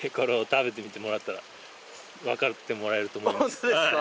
ホントですか？